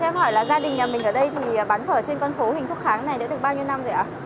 em hỏi là gia đình nhà mình ở đây thì bắn phở trên con phố huỳnh thúc kháng này đã được bao nhiêu năm rồi ạ